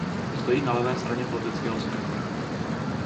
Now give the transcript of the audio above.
Stojí na levé straně politického spektra.